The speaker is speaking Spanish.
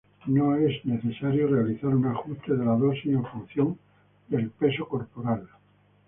No es necesario realizar un ajuste de la dosis en función del peso corporal.